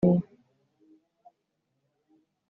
Kirima yibazaga niba Mukandoli yishimiye gutembera